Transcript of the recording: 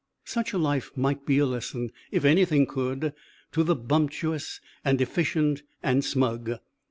Such a life might be a lesson, if anything could, to the bumptious and "efficient" and smug.